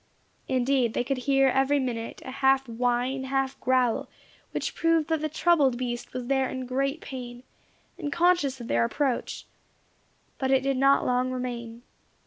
Indeed, they could hear every minute a half whine, half growl, which proved that the troubled beast was there in great pain, and conscious of their approach. But it did not long remain.